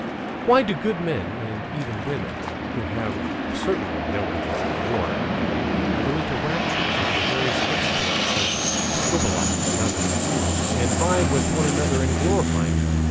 Why do good men and even women, who have certainly no interest in war, go into raptures over the various exploits of Skobeloff and others, and vie with one another in glorifying them?